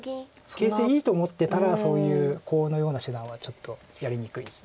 形勢いいと思ってたらそういうコウのような手段はちょっとやりにくいです。